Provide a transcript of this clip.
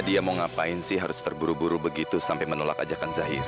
dia mau ngapain sih harus terburu buru begitu sampai menolak ajakan zahir